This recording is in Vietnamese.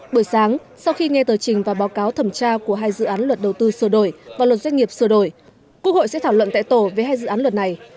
bữa sáng sau khi nghe tờ trình và báo cáo thẩm tra của hai dự án luật đầu tư sửa đổi và luật doanh nghiệp sửa đổi quốc hội sẽ thảo luận tại tổ về hai dự án luật này